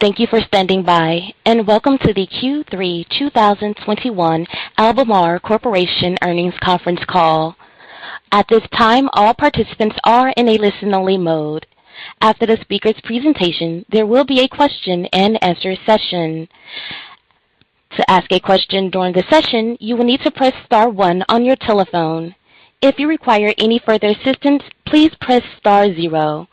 Thank you for standing by, and welcome to the Q3 2021 Albemarle Corporation Earnings Conference Call. At this time, all participants are in a listen-only mode. After the speaker's presentation, there will be a question-and-answer session. To ask a question during the session, you will need to press star one on your telephone. If you require any further assistance, please press star zero.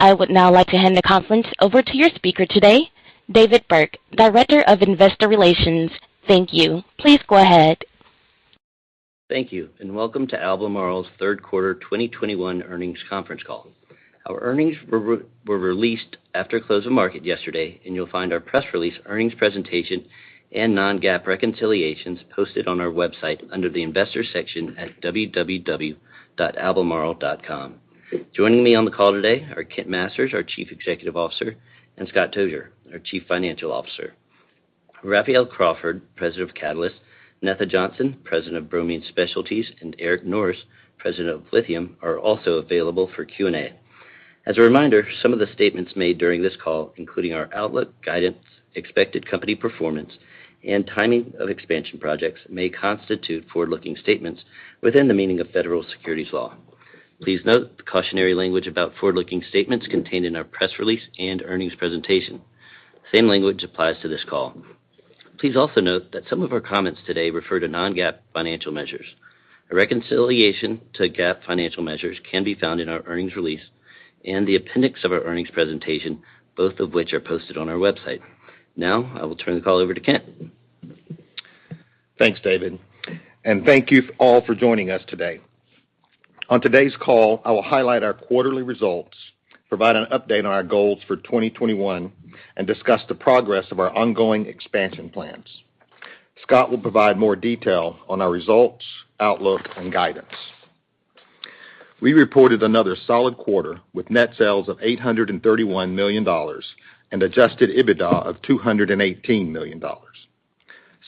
I would now like to hand the conference over to your speaker today, David Burke, Director of Investor Relations. Thank you. Please go ahead. Thank you, and welcome to Albemarle's third quarter 2021 earnings conference call. Our earnings were released after close of market yesterday, and you'll find our press release earnings presentation and non-GAAP reconciliations posted on our website under the Investors section at www.albemarle.com. Joining me on the call today are Kent Masters, our Chief Executive Officer, and Scott Tozier, our Chief Financial Officer. Raphael Crawford, President of Catalyst, Netha Johnson, President of Bromine Specialties, and Eric Norris, President of Lithium, are also available for Q&A. As a reminder, some of the statements made during this call, including our outlook, guidance, expected company performance, and timing of expansion projects, may constitute forward-looking statements within the meaning of federal securities law. Please note the cautionary language about forward-looking statements contained in our press release and earnings presentation. Same language applies to this call. Please also note that some of our comments today refer to non-GAAP financial measures. A reconciliation to GAAP financial measures can be found in our earnings release and the appendix of our earnings presentation, both of which are posted on our website. Now, I will turn the call over to Kent. Thanks, David, and thank you all for joining us today. On today's call, I will highlight our quarterly results, provide an update on our goals for 2021, and discuss the progress of our ongoing expansion plans. Scott will provide more detail on our results, outlook, and guidance. We reported another solid quarter with net sales of $831 million and adjusted EBITDA of $218 million.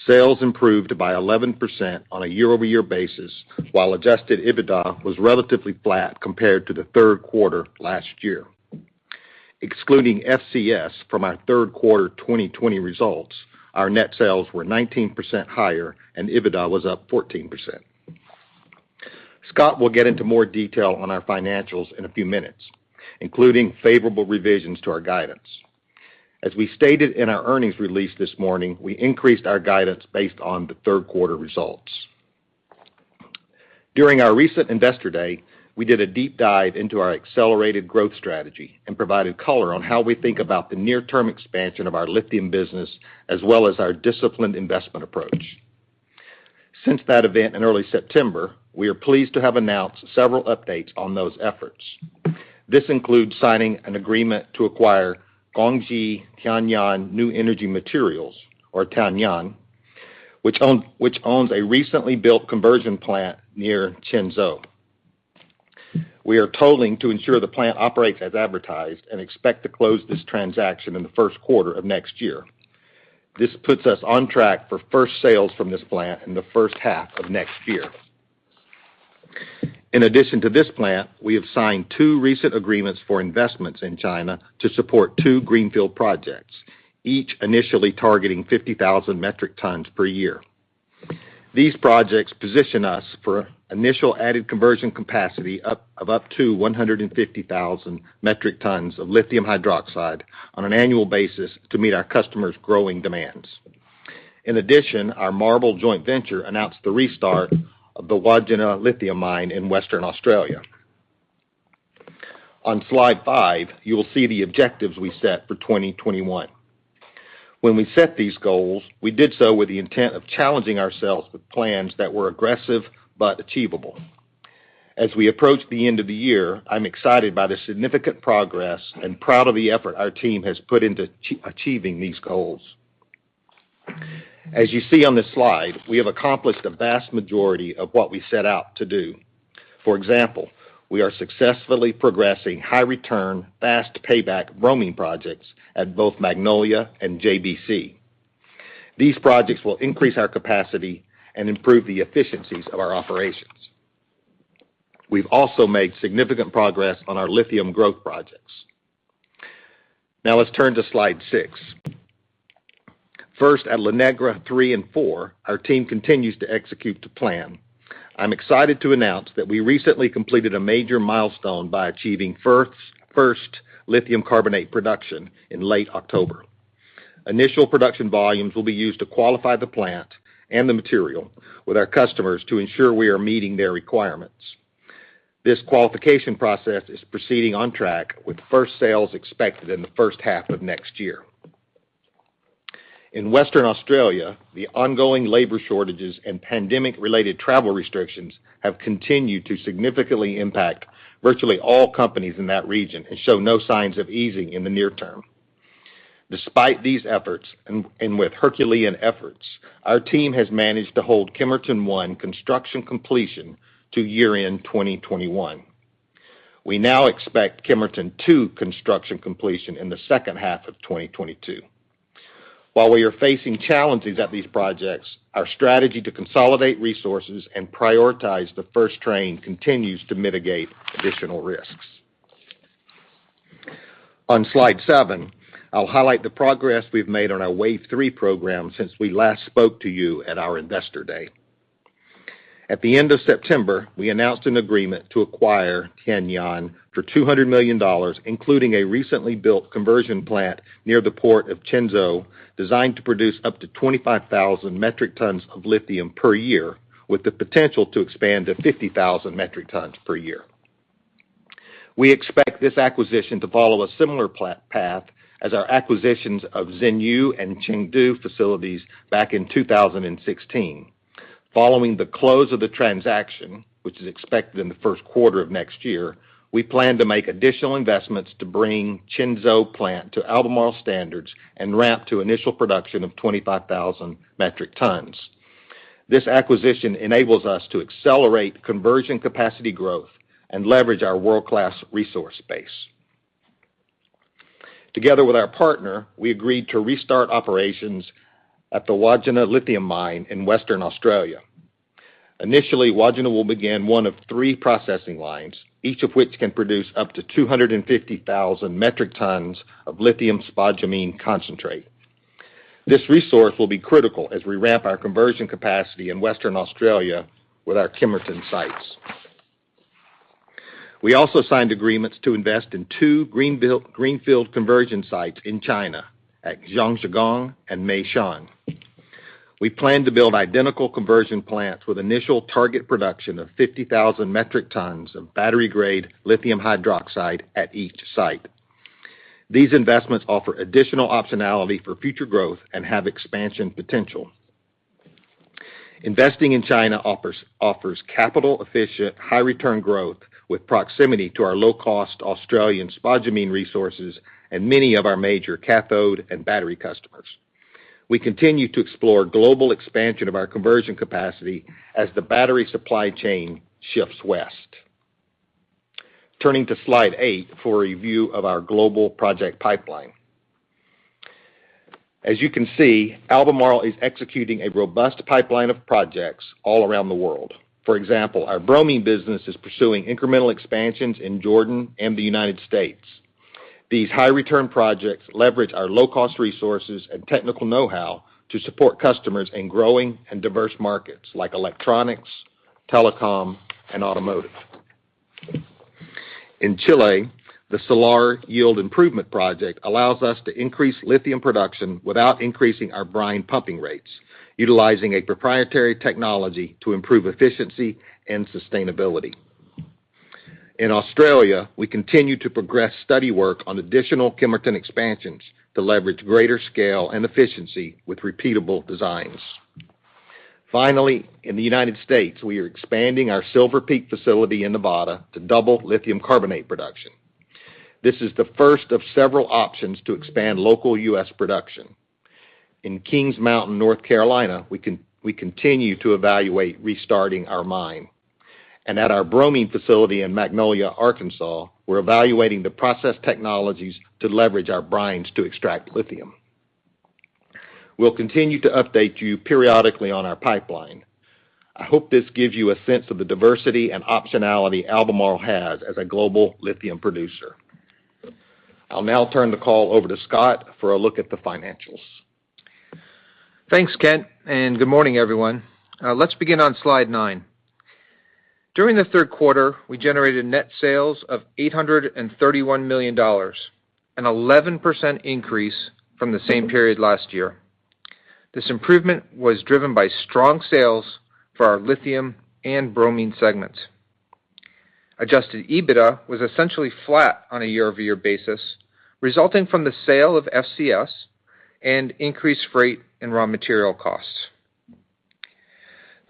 Sales improved by 11% on a year-over-year basis, while adjusted EBITDA was relatively flat compared to the third quarter last year. Excluding FCS from our third quarter 2020 results, our net sales were 19% higher and EBITDA was up 14%. Scott will get into more detail on our financials in a few minutes, including favorable revisions to our guidance. As we stated in our earnings release this morning, we increased our guidance based on the third quarter results. During our recent Investor Day, we did a deep dive into our accelerated growth strategy and provided color on how we think about the near-term expansion of our lithium business as well as our disciplined investment approach. Since that event in early September, we are pleased to have announced several updates on those efforts. This includes signing an agreement to acquire Guangxi Tianyuan New Energy Materials, or Tianyuan, which owns a recently built conversion plant near Qinzhou. We are working to ensure the plant operates as advertised and expect to close this transaction in the first quarter of next year. This puts us on track for first sales from this plant in the first half of next year. In addition to this plant, we have signed two recent agreements for investments in China to support two greenfield projects, each initially targeting 50,000 metric tons per year. These projects position us for initial added conversion capacity up to 150,000 metric tons of lithium hydroxide on an annual basis to meet our customers' growing demands. In addition, our MARBL joint venture announced the restart of the Wodgina lithium mine in Western Australia. On slide 5, you will see the objectives we set for 2021. When we set these goals, we did so with the intent of challenging ourselves with plans that were aggressive but achievable. As we approach the end of the year, I'm excited by the significant progress and proud of the effort our team has put into achieving these goals. As you see on this slide, we have accomplished the vast majority of what we set out to do. For example, we are successfully progressing high-return, fast-payback bromine projects at both Magnolia and JBC. These projects will increase our capacity and improve the efficiencies of our operations. We've also made significant progress on our lithium growth projects. Now let's turn to slide six. First, at La Negra Three and Four, our team continues to execute to plan. I'm excited to announce that we recently completed a major milestone by achieving first lithium carbonate production in late October. Initial production volumes will be used to qualify the plant and the material with our customers to ensure we are meeting their requirements. This qualification process is proceeding on track with first sales expected in the first half of next year. In Western Australia, the ongoing labor shortages and pandemic-related travel restrictions have continued to significantly impact virtually all companies in that region and show no signs of easing in the near term. Despite these efforts, with Herculean efforts, our team has managed to hold Kemerton One construction completion to year-end 2021. We now expect Kemerton Two construction completion in the second half of 2022. While we are facing challenges at these projects, our strategy to consolidate resources and prioritize the first train continues to mitigate additional risks. On slide seven, I'll highlight the progress we've made on our Wave 3 program since we last spoke to you at our investor day. At the end of September, we announced an agreement to acquire Tianyuan for $200 million, including a recently built conversion plant near the port of Qinzhou, designed to produce up to 25,000 metric tons of lithium per year, with the potential to expand to 50,000 metric tons per year. We expect this acquisition to follow a similar path as our acquisitions of Xinyu and Chengdu facilities back in 2016. Following the close of the transaction, which is expected in the first quarter of next year, we plan to make additional investments to bring Qinzhou plant to Albemarle standards and ramp to initial production of 25,000 metric tons. This acquisition enables us to accelerate conversion capacity growth and leverage our world-class resource base. Together with our partner, we agreed to restart operations at the Wodgina lithium mine in Western Australia. Initially, Wodgina will begin one of three processing lines, each of which can produce up to 250,000 metric tons of lithium spodumene concentrate. This resource will be critical as we ramp our conversion capacity in Western Australia with our Kemerton sites. We also signed agreements to invest in two greenfield conversion sites in China at Jiangsu and Meishan. We plan to build identical conversion plants with initial target production of 50,000 metric tons of battery-grade lithium hydroxide at each site. These investments offer additional optionality for future growth and have expansion potential. Investing in China offers capital efficient, high return growth with proximity to our low-cost Australian spodumene resources and many of our major cathode and battery customers. We continue to explore global expansion of our conversion capacity as the battery supply chain shifts west. Turning to slide eight for a view of our global project pipeline. As you can see, Albemarle is executing a robust pipeline of projects all around the world. For example, our bromine business is pursuing incremental expansions in Jordan and the United States. These high return projects leverage our low cost resources and technical know-how to support customers in growing and diverse markets like electronics, telecom, and automotive. In Chile, the Salar Yield Improvement Project allows us to increase lithium production without increasing our brine pumping rates, utilizing a proprietary technology to improve efficiency and sustainability. In Australia, we continue to progress study work on additional Kemerton expansions to leverage greater scale and efficiency with repeatable designs. Finally, in the United States, we are expanding our Silver Peak facility in Nevada to double lithium carbonate production. This is the first of several options to expand local U.S. production. In Kings Mountain, North Carolina, we continue to evaluate restarting our mine. At our bromine facility in Magnolia, Arkansas, we're evaluating the process technologies to leverage our brines to extract lithium. We'll continue to update you periodically on our pipeline. I hope this gives you a sense of the diversity and optionality Albemarle has as a global lithium producer. I'll now turn the call over to Scott for a look at the financials. Thanks, Kent, and good morning, everyone. Let's begin on slide nine. During the third quarter, we generated net sales of $831 million, an 11% increase from the same period last year. This improvement was driven by strong sales for our lithium and bromine segments. Adjusted EBITDA was essentially flat on a year-over-year basis, resulting from the sale of FCS and increased freight and raw material costs.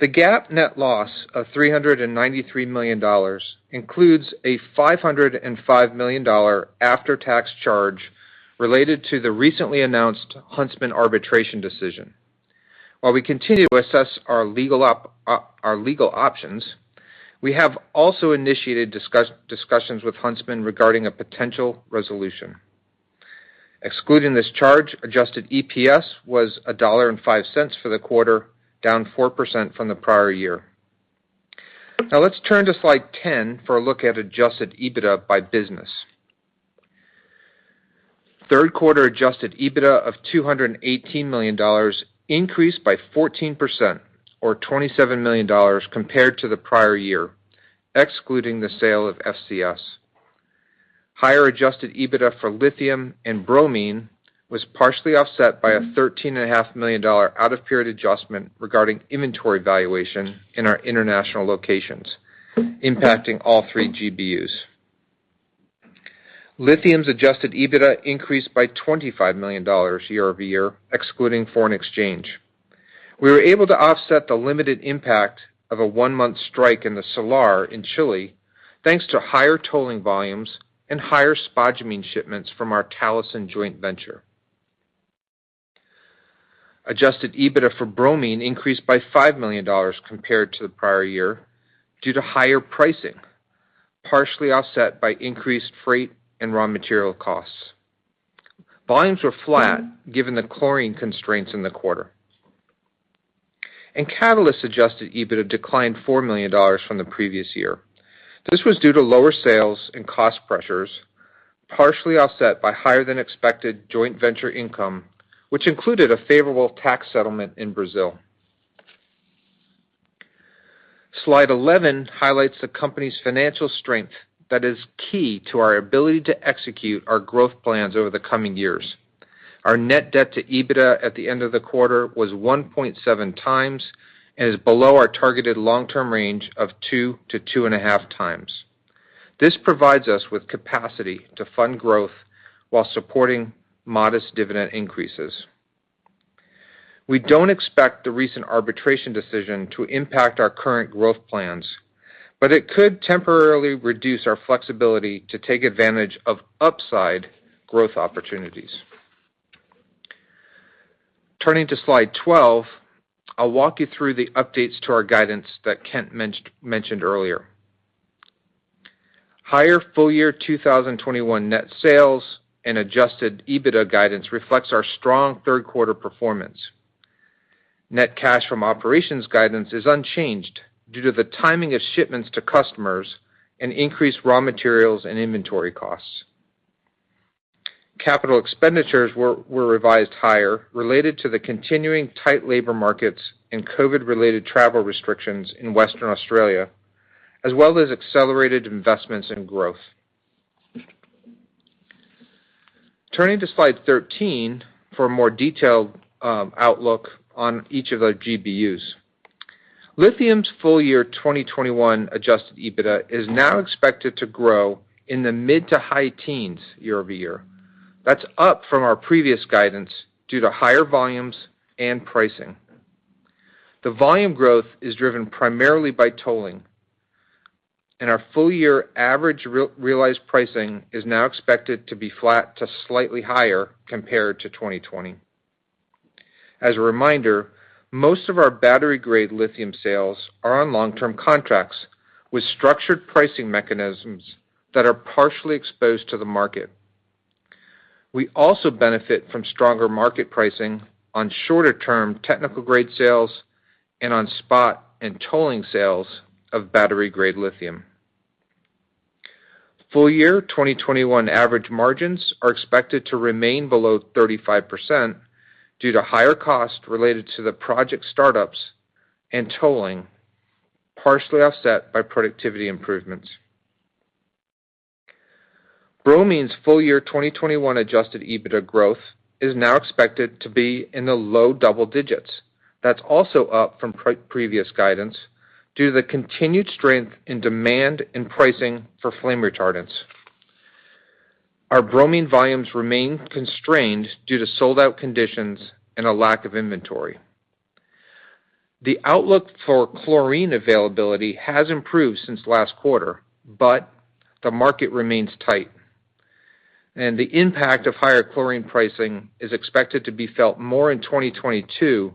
The GAAP net loss of $393 million includes a $505 million after-tax charge related to the recently announced Huntsman arbitration decision. While we continue to assess our legal options, we have also initiated discussions with Huntsman regarding a potential resolution. Excluding this charge, adjusted EPS was $1.05 for the quarter, down 4% from the prior year. Now let's turn to slide 10 for a look at adjusted EBITDA by business. Third quarter adjusted EBITDA of $218 million increased by 14% or $27 million compared to the prior year, excluding the sale of FCS. Higher adjusted EBITDA for lithium and bromine was partially offset by a $13.5 million out of period adjustment regarding inventory valuation in our international locations, impacting all three GBUs. Lithium's adjusted EBITDA increased by $25 million year-over-year, excluding foreign exchange. We were able to offset the limited impact of a one-month strike in the Salar in Chile, thanks to higher tolling volumes and higher spodumene shipments from our Talison joint venture. Adjusted EBITDA for bromine increased by $5 million compared to the prior year due to higher pricing. Partially offset by increased freight and raw material costs. Volumes were flat given the chlorine constraints in the quarter. Catalysts adjusted EBITDA declined $4 million from the previous year. This was due to lower sales and cost pressures, partially offset by higher than expected joint venture income, which included a favorable tax settlement in Brazil. Slide 11 highlights the company's financial strength that is key to our ability to execute our growth plans over the coming years. Our net debt to EBITDA at the end of the quarter was 1.7x and is below our targeted long-term range of 2x-2.5x. This provides us with capacity to fund growth while supporting modest dividend increases. We don't expect the recent arbitration decision to impact our current growth plans, but it could temporarily reduce our flexibility to take advantage of upside growth opportunities. Turning to slide 12, I'll walk you through the updates to our guidance that Kent mentioned earlier. Higher full year 2021 net sales and adjusted EBITDA guidance reflects our strong third quarter performance. Net cash from operations guidance is unchanged due to the timing of shipments to customers and increased raw materials and inventory costs. Capital expenditures were revised higher related to the continuing tight labor markets and COVID-related travel restrictions in Western Australia, as well as accelerated investments in growth. Turning to slide 13 for a more detailed outlook on each of our GBUs. Lithium's full year 2021 adjusted EBITDA is now expected to grow in the mid- to high teens year-over-year. That's up from our previous guidance due to higher volumes and pricing. The volume growth is driven primarily by tolling. Our full-year average realized pricing is now expected to be flat to slightly higher compared to 2020. As a reminder, most of our battery-grade lithium sales are on long-term contracts with structured pricing mechanisms that are partially exposed to the market. We also benefit from stronger market pricing on shorter-term technical-grade sales and on spot and tolling sales of battery-grade lithium. Full-year 2021 average margins are expected to remain below 35% due to higher cost related to the project startups and tolling, partially offset by productivity improvements. Bromine's full-year 2021 adjusted EBITDA growth is now expected to be in the low double digits. That's also up from previous guidance due to the continued strength in demand and pricing for flame retardants. Our bromine volumes remain constrained due to sold-out conditions and a lack of inventory. The outlook for chlorine availability has improved since last quarter, but the market remains tight. The impact of higher chlorine pricing is expected to be felt more in 2022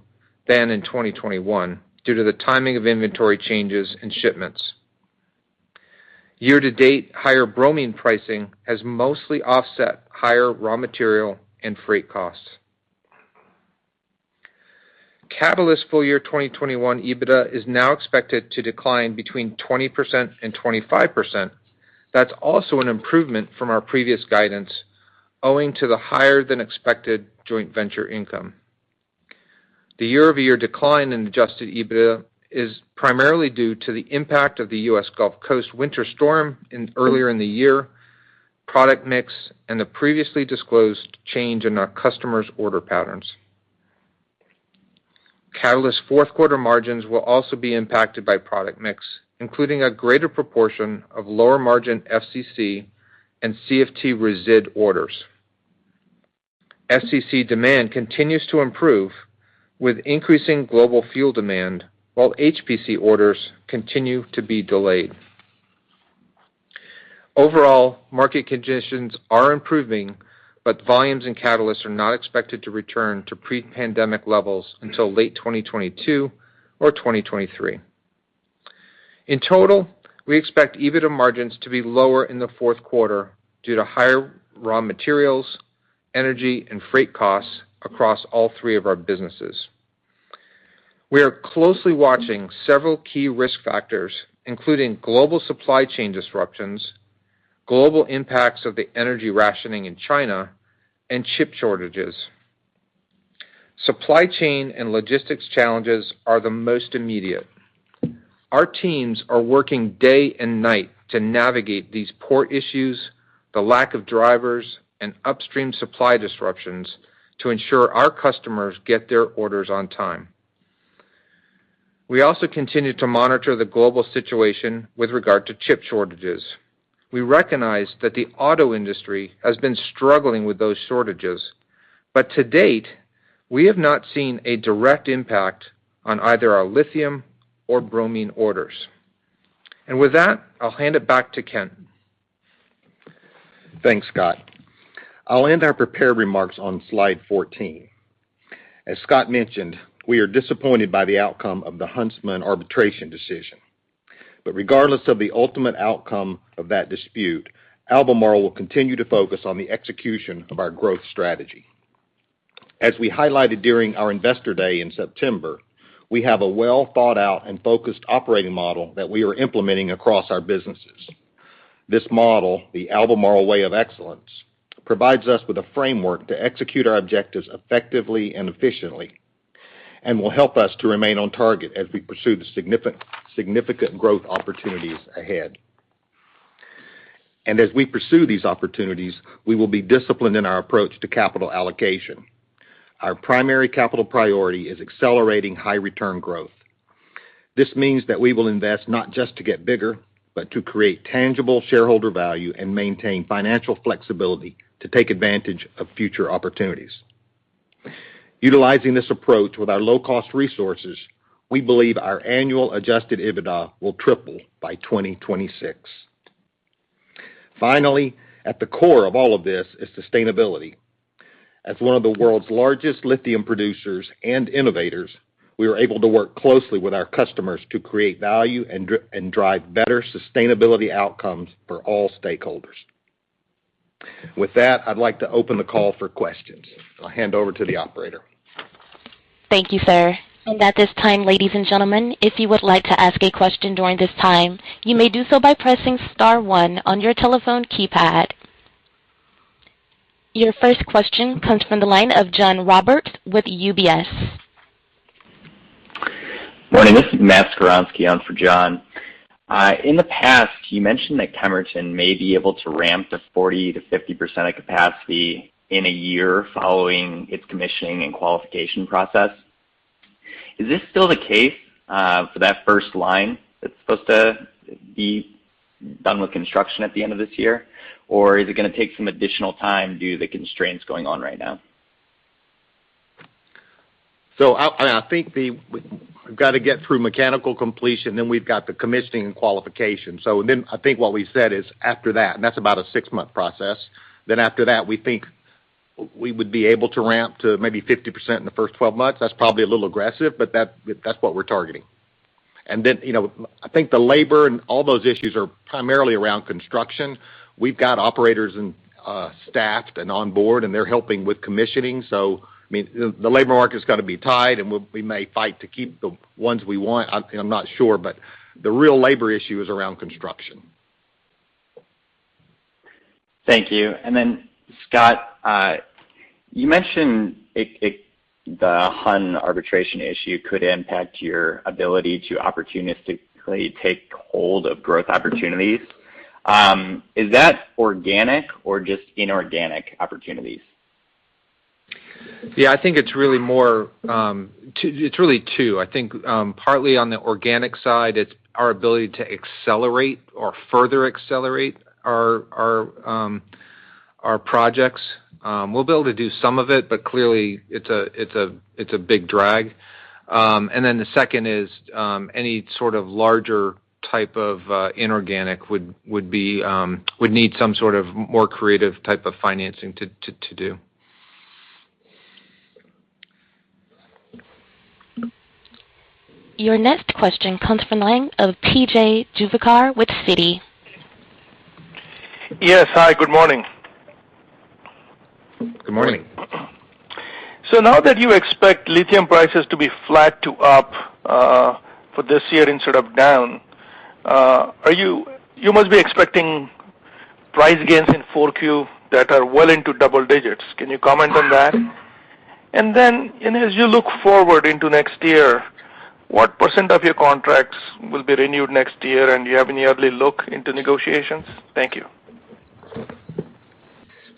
than in 2021 due to the timing of inventory changes and shipments. Year to date, higher bromine pricing has mostly offset higher raw material and freight costs. Catalyst full year 2021 EBITDA is now expected to decline between 20% and 25%. That's also an improvement from our previous guidance, owing to the higher than expected joint venture income. The year-over-year decline in adjusted EBITDA is primarily due to the impact of the U.S. Gulf Coast winter storm earlier in the year, product mix, and the previously disclosed change in our customers' order patterns. Catalysts fourth quarter margins will also be impacted by product mix, including a greater proportion of lower margin FCC and CFT resid orders. FCC demand continues to improve with increasing global fuel demand, while HPC orders continue to be delayed. Overall, market conditions are improving, but volumes and catalysts are not expected to return to pre-pandemic levels until late 2022 or 2023. In total, we expect EBITDA margins to be lower in the fourth quarter due to higher raw materials, energy, and freight costs across all three of our businesses. We are closely watching several key risk factors, including global supply chain disruptions, global impacts of the energy rationing in China, and chip shortages. Supply chain and logistics challenges are the most immediate. Our teams are working day and night to navigate these port issues, the lack of drivers, and upstream supply disruptions to ensure our customers get their orders on time. We also continue to monitor the global situation with regard to chip shortages. We recognize that the auto industry has been struggling with those shortages, but to date, we have not seen a direct impact on either our lithium or bromine orders. With that, I'll hand it back to Kent. Thanks, Scott. I'll end our prepared remarks on slide 14. As Scott mentioned, we are disappointed by the outcome of the Huntsman arbitration decision. Regardless of the ultimate outcome of that dispute, Albemarle will continue to focus on the execution of our growth strategy. As we highlighted during our Investor Day in September, we have a well-thought-out and focused operating model that we are implementing across our businesses. This model, the Albemarle Way of Excellence, provides us with a framework to execute our objectives effectively and efficiently and will help us to remain on target as we pursue the significant growth opportunities ahead. As we pursue these opportunities, we will be disciplined in our approach to capital allocation. Our primary capital priority is accelerating high return growth. This means that we will invest not just to get bigger, but to create tangible shareholder value and maintain financial flexibility to take advantage of future opportunities. Utilizing this approach with our low-cost resources, we believe our annual adjusted EBITDA will triple by 2026. Finally, at the core of all of this is sustainability. As one of the world's largest lithium producers and innovators, we are able to work closely with our customers to create value and drive better sustainability outcomes for all stakeholders. With that, I'd like to open the call for questions. I'll hand over to the operator. Thank you, sir. At this time, ladies and gentlemen, if you would like to ask a question during this time, you may do so by pressing star one on your telephone keypad. Your first question comes from the line of John Roberts with UBS. Morning, this is Matt Skowronski on for John. In the past, you mentioned that Kemerton may be able to ramp to 40%-50% of capacity in a year following its commissioning and qualification process. Is this still the case for that first line that's supposed to be done with construction at the end of this year? Or is it gonna take some additional time due to the constraints going on right now? I think we've got to get through mechanical completion, then we've got the commissioning and qualification. And then I think what we said is, after that, and that's about a six-month process, then after that, we think we would be able to ramp to maybe 50% in the first 12 months. That's probably a little aggressive, but that's what we're targeting. You know, I think the labor and all those issues are primarily around construction. We've got operators and staffed and on board, and they're helping with commissioning. I mean, the labor market's gonna be tight, and we may fight to keep the ones we want. I'm not sure, but the real labor issue is around construction. Thank you. Scott, you mentioned it, the Huntsman arbitration issue could impact your ability to opportunistically take hold of growth opportunities. Is that organic or just inorganic opportunities? Yeah, I think it's really two. It's really two. I think, partly on the organic side, it's our ability to accelerate or further accelerate our projects. We'll be able to do some of it, but clearly, it's a big drag. Then the second is any sort of larger type of inorganic would need some sort of more creative type of financing to do. Your next question comes from the line of P.J. Juvekar with Citi. Yes. Hi, good morning. Good morning. Good morning. Now that you expect lithium prices to be flat to up for this year instead of down, you must be expecting price gains in Q4 that are well into double digits. Can you comment on that? Then as you look forward into next year, what percent of your contracts will be renewed next year, and do you have any early look into negotiations? Thank you.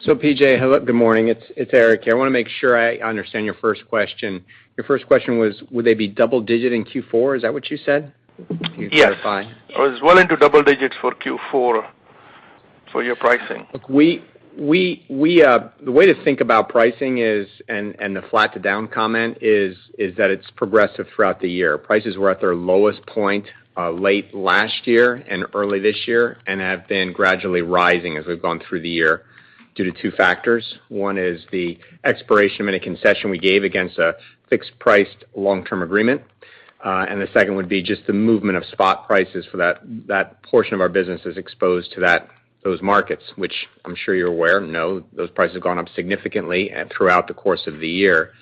PJ, hello, good morning. It's Eric here. I wanna make sure I understand your first question. Your first question was, would they be double digit in Q4? Is that what you said? Can you clarify? Yes. It was well into double digits for Q4 for your pricing. The way to think about pricing is, and the flat to down comment is that it's progressive throughout the year. Prices were at their lowest point late last year and early this year, and have been gradually rising as we've gone through the year due to two factors. One is the expiration of any concession we gave against a fixed-priced long-term agreement. The second would be just the movement of spot prices for that portion of our business that is exposed to those markets, which I'm sure you're aware and know those prices have gone up significantly throughout the course of the year.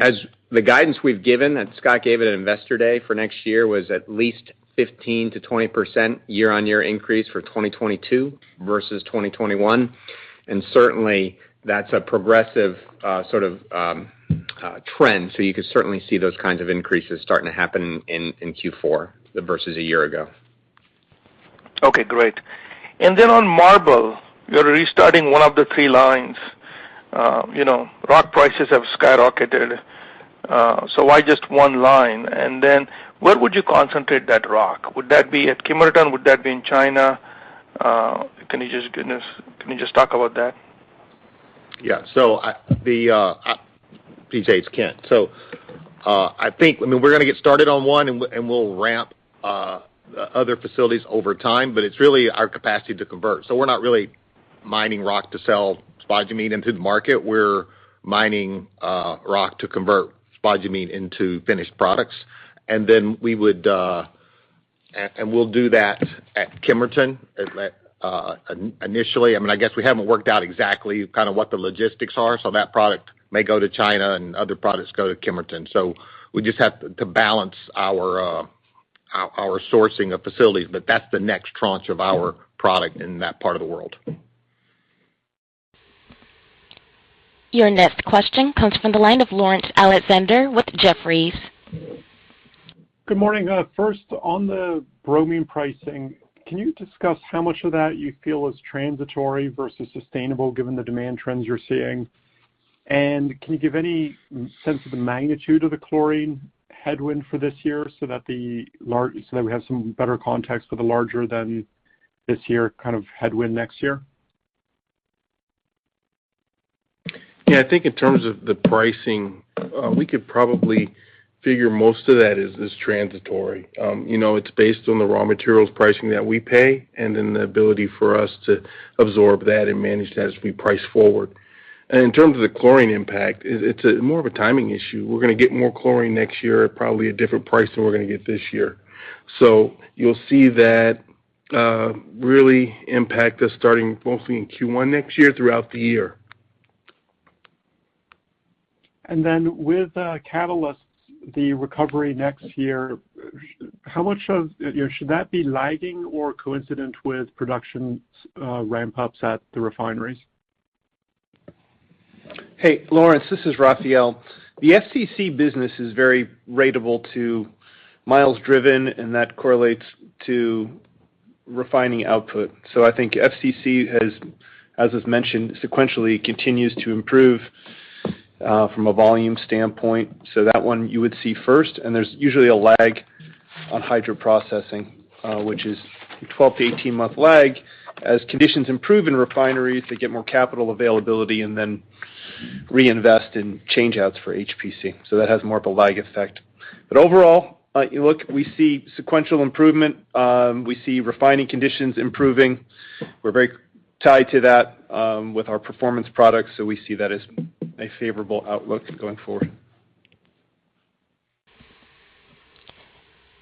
As the guidance we've given, and Scott gave it at Investor Day for next year, was at least 15%-20% year-on-year increase for 2022 versus 2021. Certainly that's a progressive trend. You could certainly see those kinds of increases starting to happen in Q4 versus a year ago. Okay, great. On MARBL, you're restarting one of the three lines. You know, rock prices have skyrocketed, so why just one line? Where would you concentrate that rock? Would that be at Kemerton? Would that be in China? Can you just talk about that? PJ, it's Kent. I think, I mean, we're gonna get started on one, and we'll ramp other facilities over time, but it's really our capacity to convert. We're not really mining rock to sell spodumene into the market. We're mining rock to convert spodumene into finished products. And then we would and we'll do that at Kemerton initially. I mean, I guess we haven't worked out exactly kind of what the logistics are, so that product may go to China and other products go to Kemerton. We just have to balance our sourcing of facilities, but that's the next tranche of our product in that part of the world. Your next question comes from the line of Laurence Alexander with Jefferies. Good morning. First, on the bromine pricing, can you discuss how much of that you feel is transitory versus sustainable given the demand trends you're seeing? Can you give any sense of the magnitude of the chlorine headwind for this year so that we have some better context for the larger than this year kind of headwind next year? Yeah. I think in terms of the pricing, we could probably figure most of that as transitory. You know, it's based on the raw materials pricing that we pay, and then the ability for us to absorb that and manage that as we price forward. In terms of the chlorine impact, it's a more of a timing issue. We're gonna get more chlorine next year at probably a different price than we're gonna get this year. You'll see that really impact us starting mostly in Q1 next year throughout the year. Then with catalysts, the recovery next year, you know, should that be lagging or coincident with production ramp-ups at the refineries? Hey, Laurence, this is Raphael. The FCC business is very ratable to miles driven, and that correlates to refining output. I think FCC has, as is mentioned, sequentially continues to improve from a volume standpoint. That one you would see first, and there's usually a lag on hydro processing, which is a 12- to 18-month lag. As conditions improve in refineries, they get more capital availability and then reinvest in change outs for HPC. That has more of a lag effect. Overall, you look, we see sequential improvement. We see refining conditions improving. We're very tied to that with our performance products, so we see that as a favorable outlook going forward.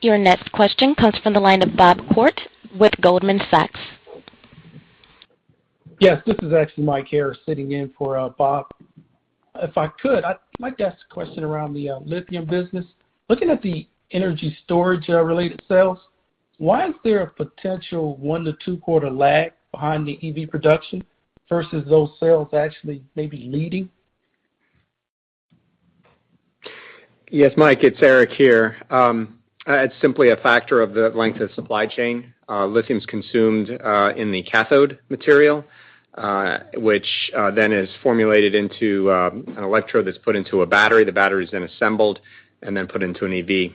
Your next question comes from the line of Bob Koort with Goldman Sachs. Yes. This is actually Mike here sitting in for Bob. If I could, I'd like to ask a question around the lithium business. Looking at the energy storage related sales, why is there a potential 1-2 quarter lag behind the EV production versus those sales actually maybe leading? Yes, Mike, it's Eric here. It's simply a factor of the length of supply chain. Lithium's consumed in the cathode material, which then is formulated into an electrode that's put into a battery. The battery is then assembled and then put into an EV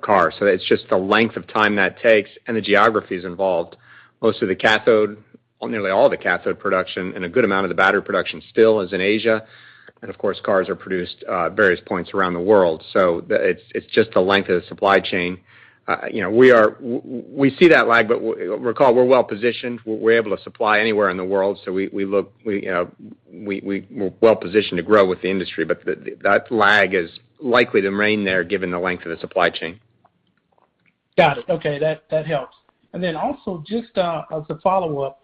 car. It's just the length of time that takes and the geographies involved. Most of the cathode or nearly all the cathode production and a good amount of the battery production still is in Asia. Of course, cars are produced at various points around the world. It's just the length of the supply chain. You know, we see that lag, but recall, we're well positioned. We're able to supply anywhere in the world. We look, you know, we're well positioned to grow with the industry. That lag is likely to remain there given the length of the supply chain. Got it. Okay, that helps. Also just as a follow-up,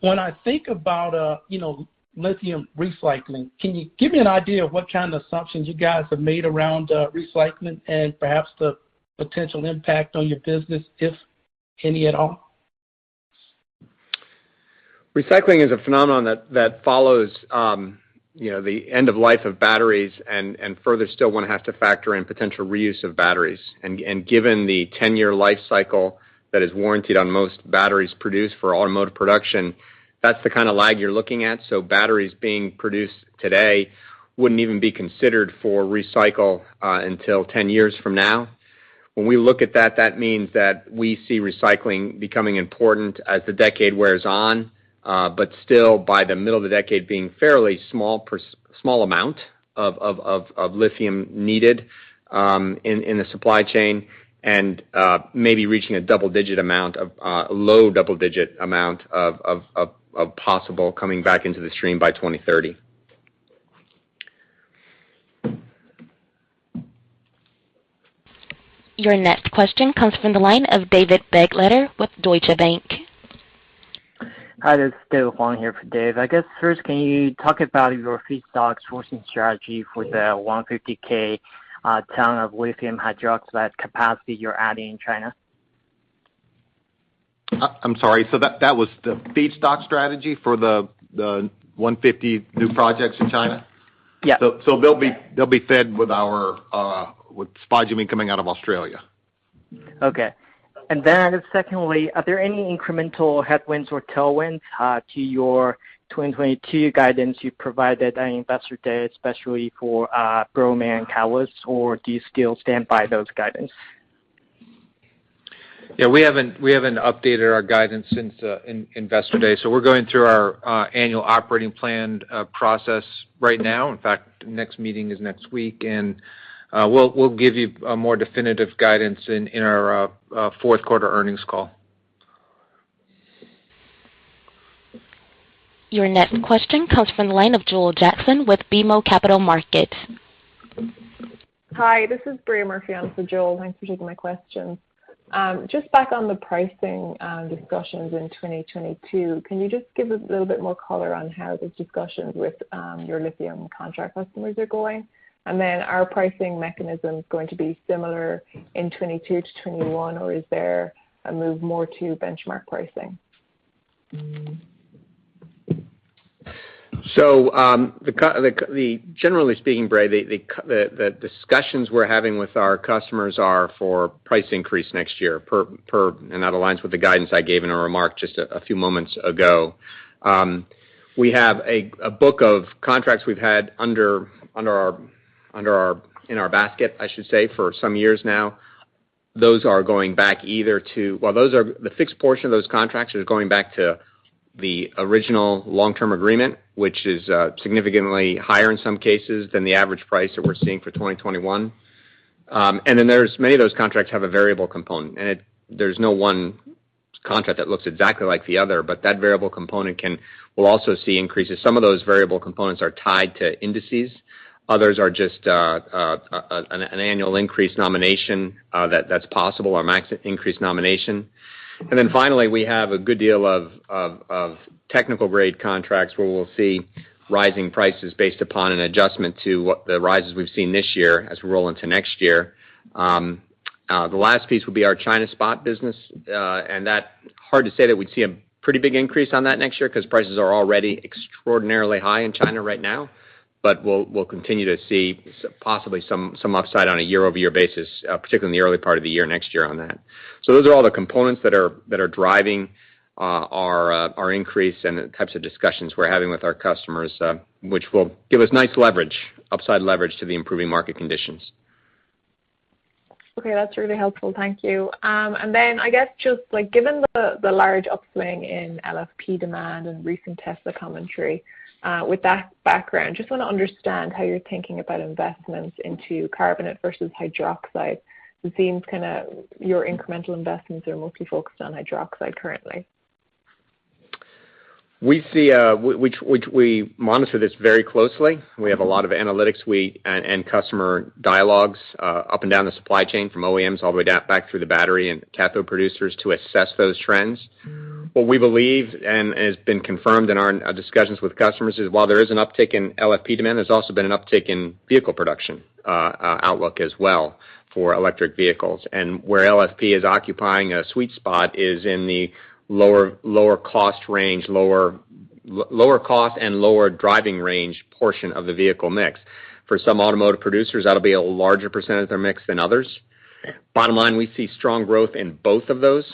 when I think about you know lithium recycling, can you give me an idea of what kind of assumptions you guys have made around recycling and perhaps the potential impact on your business, if any at all? Recycling is a phenomenon that follows, you know, the end of life of batteries and further still one has to factor in potential reuse of batteries. Given the 10-year life cycle that is warrantied on most batteries produced for automotive production, that's the kind of lag you're looking at. Batteries being produced today wouldn't even be considered for recycling until 10 years from now. When we look at that means that we see recycling becoming important as the decade wears on, but still by the middle of the decade being a fairly small amount of lithium needed in the supply chain and maybe reaching a low double-digit amount of possible coming back into the stream by 2030. Your next question comes from the line of David Begleiter with Deutsche Bank. Hi, this is David Wang here for Dave. I guess first, can you talk about your feedstock sourcing strategy for the 150,000 tons of lithium hydroxide capacity you're adding in China? I'm sorry. That was the feedstock strategy for the 150 new projects in China? Yeah. They'll be Okay. They'll be fed with our spodumene coming out of Australia. Okay. Secondly, are there any incremental headwinds or tailwinds to your 2022 guidance you provided at Investor Day, especially for Bromine and Catalysts, or do you still stand by those guidance? Yeah, we haven't updated our guidance since Investor Day. We're going through our annual operating plan process right now. In fact, next meeting is next week. We'll give you a more definitive guidance in our fourth quarter earnings call. Your next question comes from the line of Joel Jackson with BMO Capital Markets. Hi, this is Bria Murphy. I'm for Joel. Thanks for taking my questions. Just back on the pricing discussions in 2022. Can you just give us a little bit more color on how the discussions with your lithium contract customers are going? And then are pricing mechanisms going to be similar in 2022 to 2021, or is there a move more to benchmark pricing? Generally speaking, Bria, the discussions we're having with our customers are for price increase next year. That aligns with the guidance I gave in a remark just a few moments ago. We have a book of contracts we've had in our basket, I should say, for some years now. Those are going back to the original long-term agreement, which is significantly higher in some cases than the average price that we're seeing for 2021. Then there's many of those contracts have a variable component. There's no one contract that looks exactly like the other, but that variable component will also see increases. Some of those variable components are tied to indices. Others are just an annual increase nomination that's possible or max increase nomination. Finally, we have a good deal of technical grade contracts where we'll see rising prices based upon an adjustment to what the rises we've seen this year as we roll into next year. The last piece will be our China spot business, and that's hard to say that we'd see a pretty big increase on that next year 'cause prices are already extraordinarily high in China right now. We'll continue to see possibly some upside on a year-over-year basis, particularly in the early part of the year, next year on that. Those are all the components that are driving our increase and the types of discussions we're having with our customers, which will give us nice leverage, upside leverage to the improving market conditions. Okay, that's really helpful. Thank you. I guess just, like, given the large upswing in LFP demand and recent Tesla commentary, with that background, just wanna understand how you're thinking about investments into carbonate versus hydroxide. It seems kinda your incremental investments are mostly focused on hydroxide currently. We see, we monitor this very closely. We have a lot of analytics and customer dialogues up and down the supply chain from OEMs all the way down back through the battery and cathode producers to assess those trends. What we believe has been confirmed in our discussions with customers is while there is an uptick in LFP demand, there's also been an uptick in vehicle production outlook as well for electric vehicles. Where LFP is occupying a sweet spot is in the lower cost range, lower cost and lower driving range portion of the vehicle mix. For some automotive producers, that'll be a larger percentage of their mix than others. Bottom line, we see strong growth in both of those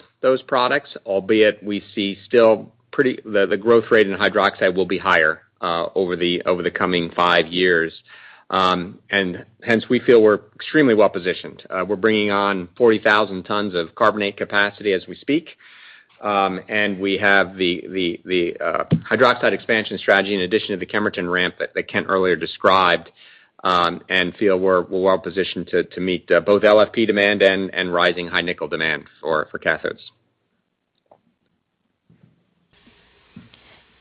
products, albeit we see the growth rate in hydroxide will be higher over the coming five years. Hence we feel we're extremely well positioned. We're bringing on 40,000 tons of carbonate capacity as we speak. We have the hydroxide expansion strategy in addition to the Kemerton ramp that Kent earlier described, and feel we're well positioned to meet both LFP demand and rising high nickel demand for cathodes.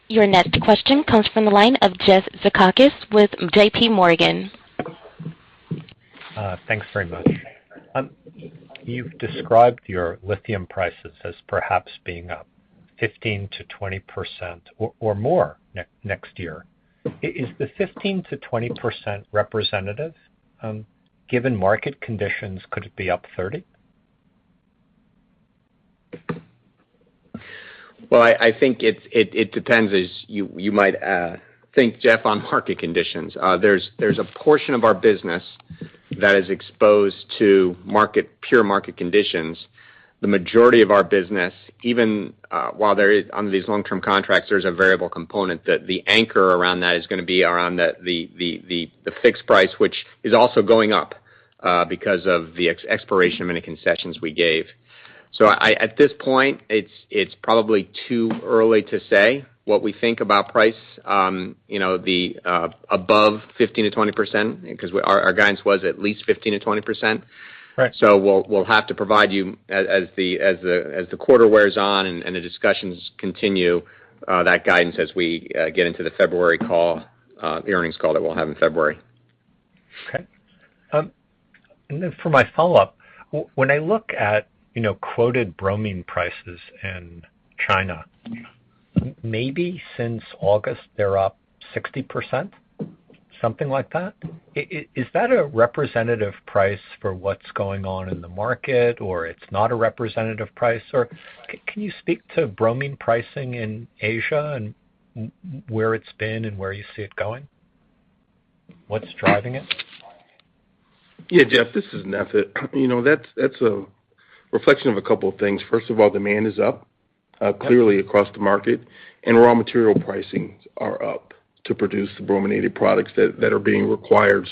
Your next question comes from the line of Jeff Zekauskas with JPMorgan. Thanks very much. You've described your lithium prices as perhaps being up 15%-20% or more next year. Is the 15%-20% representative? Given market conditions, could it be up 30%? Well, I think it depends, as you might think, Jeff, on market conditions. There's a portion of our business that is exposed to pure market conditions. The majority of our business, even on these long-term contracts, there's a variable component that anchors around that is gonna be around the fixed price, which is also going up because of the expiration of many concessions we gave. At this point, it's probably too early to say what we think about price, you know, above 15%-20% because our guidance was at least 15%-20%. Right. We'll have to provide you, as the quarter wears on and the discussions continue, that guidance as we get into the February call, the earnings call that we'll have in February. Okay. For my follow-up, when I look at, you know, quoted bromine prices in China, maybe since August, they're up 60%, something like that. Is that a representative price for what's going on in the market, or it's not a representative price? Or can you speak to bromine pricing in Asia and where it's been and where you see it going? What's driving it? Yeah, Jeff Zekauskas, this is Netha Johnson. You know, that's a reflection of a couple of things. First of all, demand is up Clearly across the market and raw material prices are up to produce the brominated products that are being required.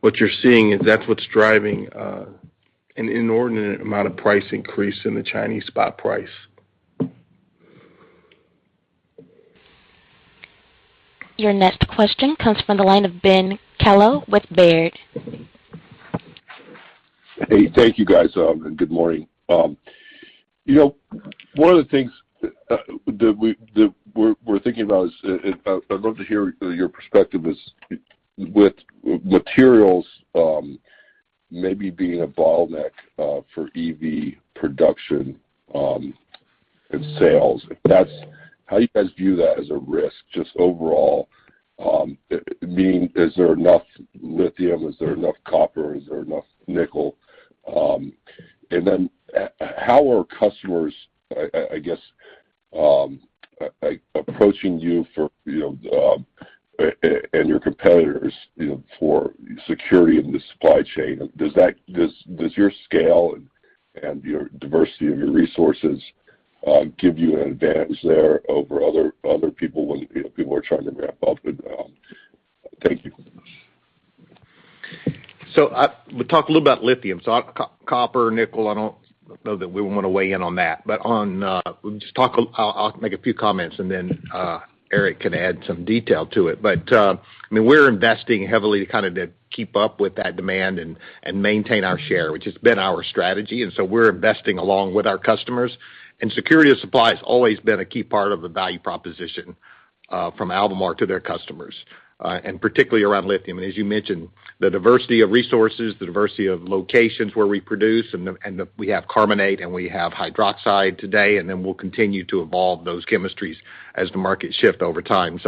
What you're seeing is that's what's driving an inordinate amount of price increase in the Chinese spot price. Your next question comes from the line of Ben Kallo with Baird. Hey, thank you guys. Good morning. You know, one of the things that we're thinking about is, and I'd love to hear your perspective is with materials maybe being a bottleneck for EV production and sales. If that's how do you guys view that as a risk just overall? Meaning is there enough lithium, is there enough copper, is there enough nickel? And then how are customers, I guess, approaching you for, you know, and your competitors, you know, for security in the supply chain? Does your scale and your diversity of your resources give you an advantage there over other people when, you know, people are trying to ramp up? Thank you. We talked a little about lithium. Copper, nickel, I don't know that we wanna weigh in on that. I'll make a few comments and then Eric can add some detail to it. I mean, we're investing heavily to kind of keep up with that demand and maintain our share, which has been our strategy. We're investing along with our customers. Security of supply has always been a key part of the value proposition from Albemarle to their customers and particularly around lithium. As you mentioned, the diversity of resources, the diversity of locations where we produce, and we have carbonate, and we have hydroxide today, and then we'll continue to evolve those chemistries as the markets shift over time.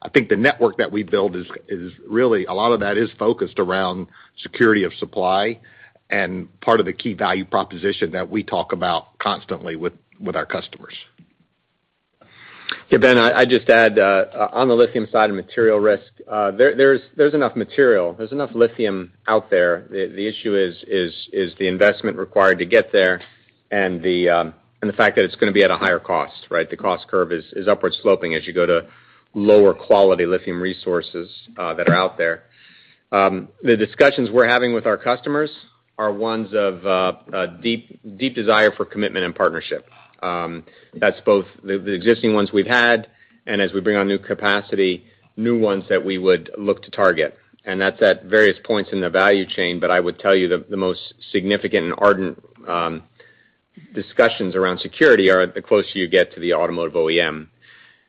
I think the network that we build is really a lot of that is focused around security of supply and part of the key value proposition that we talk about constantly with our customers. Yeah, Ben, I just add on the lithium side of material risk, there is enough material, there's enough lithium out there. The issue is the investment required to get there and the fact that it's gonna be at a higher cost, right? The cost curve is upward sloping as you go to lower quality lithium resources that are out there. The discussions we're having with our customers are ones of a deep desire for commitment and partnership. That's both the existing ones we've had and as we bring on new capacity, new ones that we would look to target. That's at various points in the value chain, but I would tell you the most significant and ardent discussions around security are the closer you get to the automotive OEM.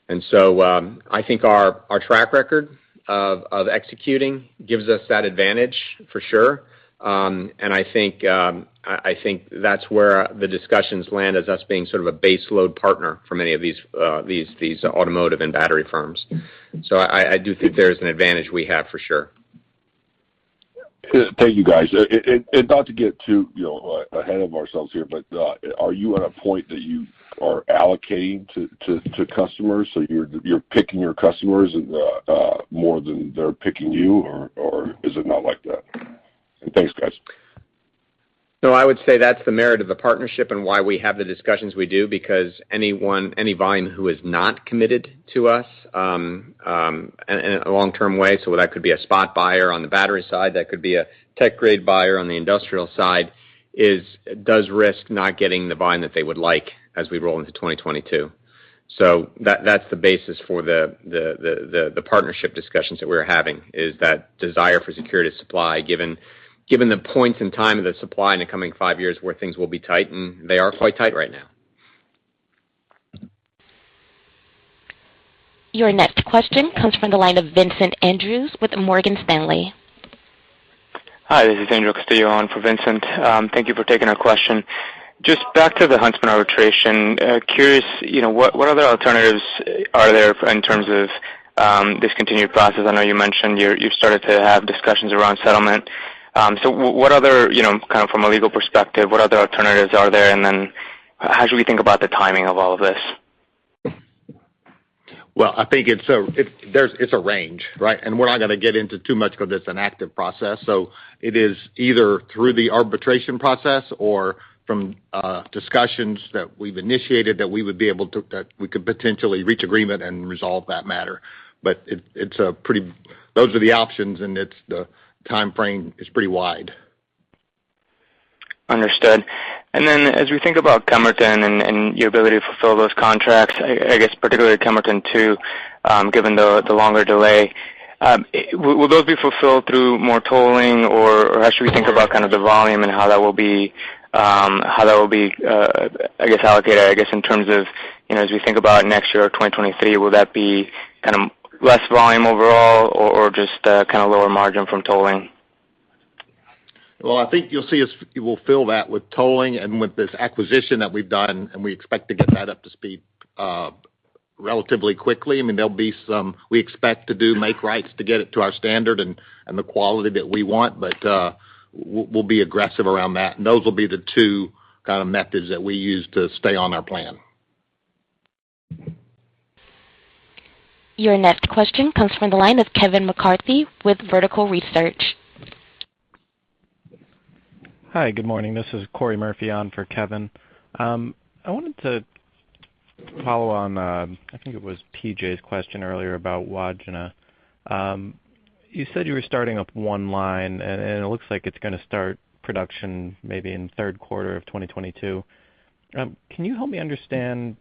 I think our track record of executing gives us that advantage for sure. I think that's where the discussions land as us being sort of a base load partner for many of these automotive and battery firms. I do think there is an advantage we have for sure. Thank you, guys. Not to get too, you know, ahead of ourselves here, but are you at a point that you are allocating to customers? So you're picking your customers more than they're picking you or is it not like that? Thanks, guys. No, I would say that's the merit of the partnership and why we have the discussions we do because anyone, any volume who is not committed to us in a long-term way, so that could be a spot buyer on the battery side, that could be a tech-grade buyer on the industrial side, risks not getting the volume that they would like as we roll into 2022. That's the basis for the partnership discussions that we're having is that desire for security of supply given the points in time of the supply in the coming five years where things will be tight, and they are quite tight right now. Your next question comes from the line of Vincent Andrews with Morgan Stanley. Hi, this is Angel Castillo on for Vincent Andrews. Thank you for taking our question. Just back to the Huntsman arbitration, curious, you know, what other alternatives are there in terms of discontinued process? I know you mentioned you've started to have discussions around settlement. So what other, you know, kind of from a legal perspective, what other alternatives are there? And then how should we think about the timing of all of this? Well, I think it's a range, right? We're not gonna get into too much because it's an active process. It is either through the arbitration process or from discussions that we've initiated that we could potentially reach agreement and resolve that matter. It's a pretty wide timeframe. Those are the options. Understood. As we think about Kemerton and your ability to fulfill those contracts, I guess particularly Kemerton Two, given the longer delay, will those be fulfilled through more tolling or how should we think about kind of the volume and how that will be, I guess allocated, I guess in terms of, you know, as we think about next year or 2023, will that be kind of less volume overall or just kind of lower margin from tolling? Well, I think you'll see us. We'll fill that with tolling and with this acquisition that we've done, and we expect to get that up to speed relatively quickly. I mean, there'll be some. We expect to make rights to get it to our standard and the quality that we want. But we'll be aggressive around that. Those will be the two kind of methods that we use to stay on our plan. Your next question comes from the line of Kevin McCarthy with Vertical Research. Hi, good morning. This is Corey Murphy on for Kevin. I wanted to follow on, I think it was PJ's question earlier about Wodgina. You said you were starting up one line and it looks like it's gonna start production maybe in the third quarter of 2022. Can you help me understand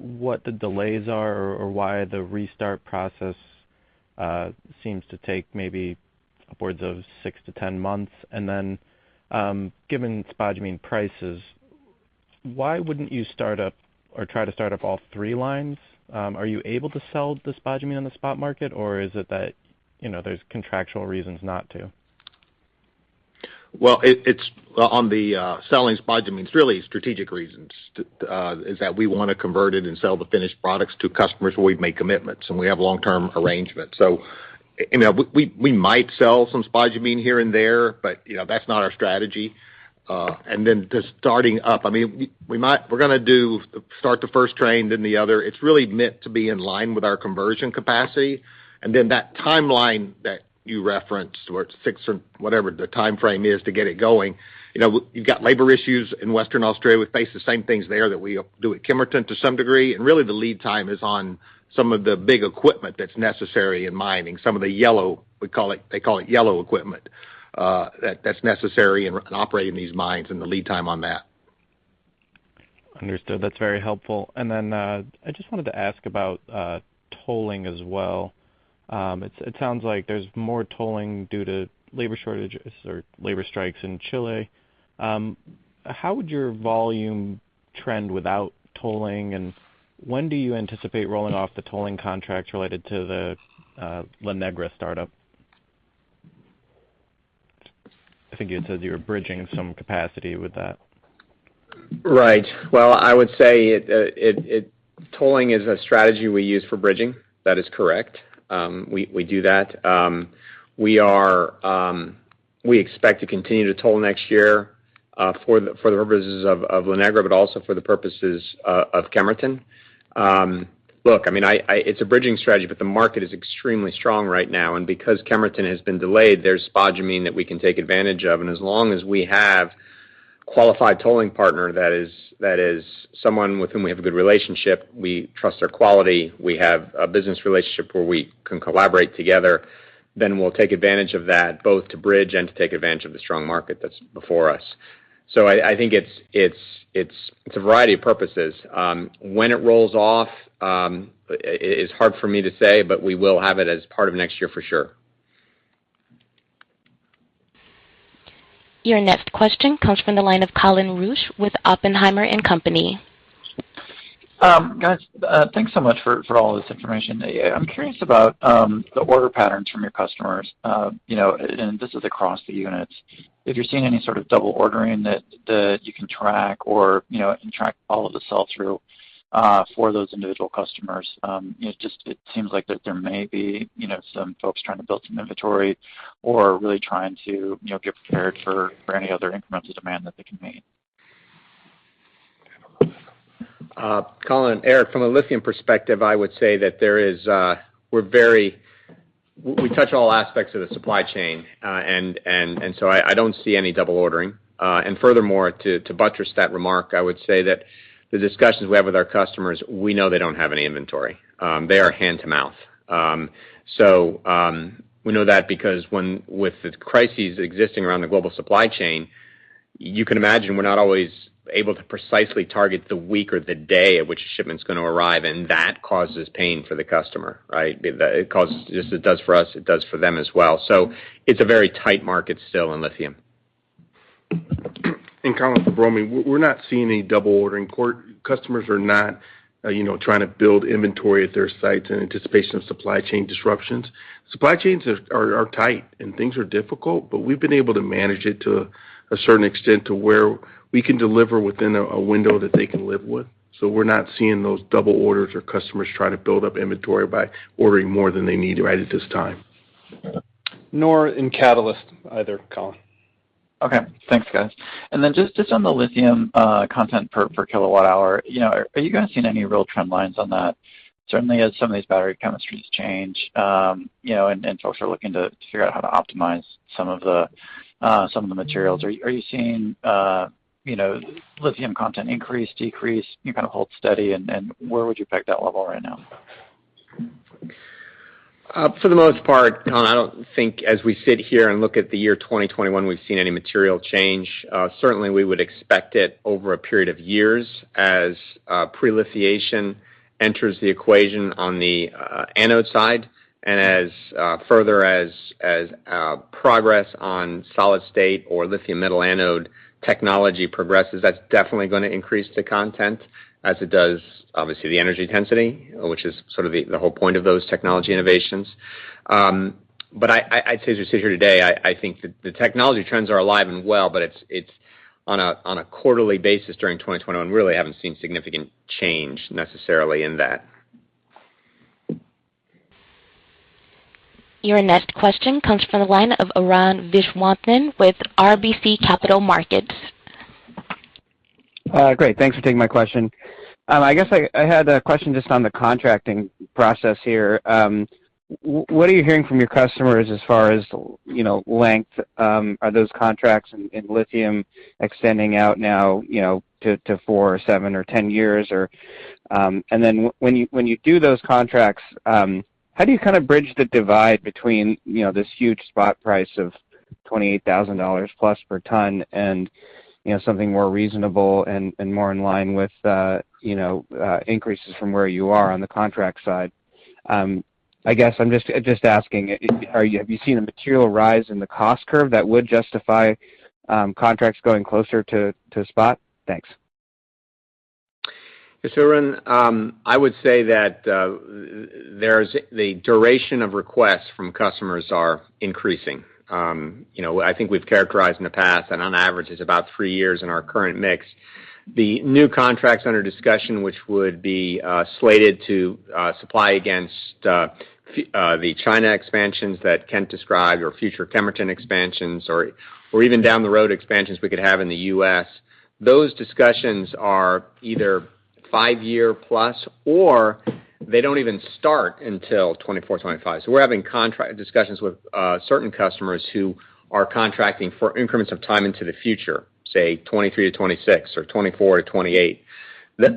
what the delays are or why the restart process seems to take maybe upwards of six to 10 months? Then, given spodumene prices, why wouldn't you start up or try to start up all three lines? Are you able to sell the spodumene on the spot market, or is it that, you know, there's contractual reasons not to? Well, it's on the selling spodumene. It's really strategic reasons is that we wanna convert it and sell the finished products to customers where we've made commitments, and we have long-term arrangements. You know, we might sell some spodumene here and there, but, you know, that's not our strategy. Then the starting up, we're gonna start the first train, then the other. It's really meant to be in line with our conversion capacity. That timeline that you referenced, where it's six or whatever the timeframe is to get it going, you know, you've got labor issues in Western Australia. We face the same things there that we do at Kemerton to some degree. Really, the lead time is on some of the big equipment that's necessary in mining, some of the yellow, we call it, they call it yellow equipment, that's necessary in operating these mines and the lead time on that. Understood. That's very helpful. Then I just wanted to ask about tolling as well. It sounds like there's more tolling due to labor shortages or labor strikes in Chile. How would your volume trend without tolling, and when do you anticipate rolling off the tolling contracts related to the La Negra startup? I think you had said you were bridging some capacity with that. Right. Well, I would say tolling is a strategy we use for bridging. That is correct. We do that. We expect to continue to toll next year for the purposes of La Negra, but also for the purposes of Kemerton. Look, I mean it's a bridging strategy, but the market is extremely strong right now. Because Kemerton has been delayed, there's spodumene that we can take advantage of. As long as we have a qualified tolling partner that is someone with whom we have a good relationship, we trust their quality, we have a business relationship where we can collaborate together, then we'll take advantage of that, both to bridge and to take advantage of the strong market that's before us. I think it's a variety of purposes. When it rolls off is hard for me to say, but we will have it as part of next year for sure. Your next question comes from the line of Colin Rusch with Oppenheimer & Company. Guys, thanks so much for all this information. I'm curious about the order patterns from your customers, you know, and this is across the units. If you're seeing any sort of double ordering that you can track or, you know, and track all of the sell-through for those individual customers. It just seems like that there may be, you know, some folks trying to build some inventory or really trying to, you know, get prepared for any other incremental demand that they can meet. Colin, Eric, from a lithium perspective, I would say that we touch all aspects of the supply chain. I don't see any double ordering. Furthermore, to buttress that remark, I would say that the discussions we have with our customers, we know they don't have any inventory. They are hand to mouth. We know that because with the crises existing around the global supply chain, you can imagine we're not always able to precisely target the week or the day at which a shipment's gonna arrive, and that causes pain for the customer, right? It causes just as it does for us, it does for them as well. It's a very tight market still in lithium. Colin, for bromine, we're not seeing any double ordering. Customers are not, you know, trying to build inventory at their sites in anticipation of supply chain disruptions. Supply chains are tight, and things are difficult, but we've been able to manage it to a certain extent to where we can deliver within a window that they can live with. We're not seeing those double orders or customers trying to build up inventory by ordering more than they need right at this time. Nor in Catalysts either, Colin. Okay. Thanks, guys. Just on the lithium content per kilowatt hour, you know, are you guys seeing any real trend lines on that? Certainly, as some of these battery chemistries change, you know, and folks are looking to figure out how to optimize some of the materials. Are you seeing, you know, lithium content increase, decrease, you know, kind of hold steady? Where would you peg that level right now? For the most part, Colin, I don't think as we sit here and look at the year 2021, we've seen any material change. Certainly we would expect it over a period of years as prelithiation enters the equation on the anode side and further progress on solid-state or lithium metal anode technology progresses, that's definitely gonna increase the content as it does obviously the energy density, which is sort of the whole point of those technology innovations. I'd say as we sit here today, I think the technology trends are alive and well, but it's on a quarterly basis during 2021, really haven't seen significant change necessarily in that. Your next question comes from the line of Arun Viswanathan with RBC Capital Markets. Great. Thanks for taking my question. I guess I had a question just on the contracting process here. What are you hearing from your customers as far as, you know, length, are those contracts in lithium extending out now, you know, to four or seven or 10 years? When you do those contracts, how do you kind of bridge the divide between, you know, this huge spot price of $28,000+ per ton and, you know, something more reasonable and more in line with, you know, increases from where you are on the contract side? I guess I'm just asking, have you seen a material rise in the cost curve that would justify contracts going closer to spot? Thanks. Arun, I would say that there's the duration of requests from customers are increasing. You know, I think we've characterized in the past, and on average it's about three years in our current mix. The new contracts under discussion, which would be slated to supply against the China expansions that Kent described or future Kemerton expansions or even down the road expansions we could have in the U.S. Those discussions are either five-year plus, or they don't even start until 2024, 2025. We're having contract discussions with certain customers who are contracting for increments of time into the future, say 2023-2026 or 2024-2028.